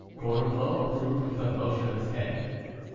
Gorenflot approved with a motion of his head.